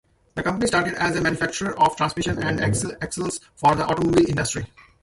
The company started as a manufacturer of transmissions and axles for the automobile industry.